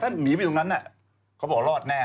ถ้าหนีไปยังอยู่ที่นั้นน่ะเขาบอกว่ารอดแน่